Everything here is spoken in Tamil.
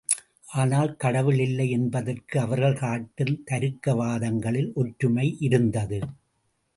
ஆனால் கடவுள் இல்லை என்பதற்கு அவர்கள் காட்டும் தருக்கவாதங்களில் ஒற்றுமை இருந்தது.